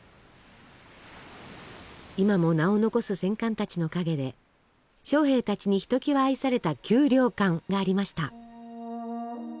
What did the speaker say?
今も名を残す戦艦たちの陰で将兵たちにひときわ愛された給糧艦がありました。